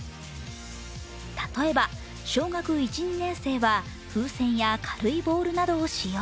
例えば小学１・２年生は風船や軽いボールなどを使用。